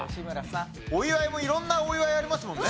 お祝いも色んなお祝いありますもんね。